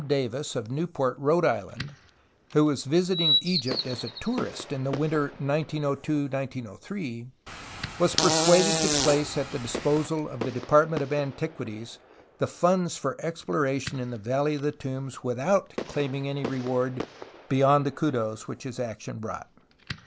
Davis, of Newport, Rhode Island, who was visiting Egypt as a tourist in the winter 1902 1903, was persuaded to place at the disposal of the Department of Antiquities the funds for exploration in the Valley of the Tombs without claiming any reward beyond the kudos which his action brouo'ht.